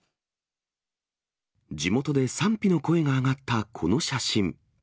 地元で賛否の声が上がったこの写真。